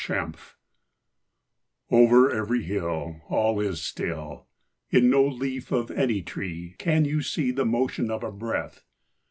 I Over every hill All is still ; In no leaf of any tree Can you see The motion of a breath.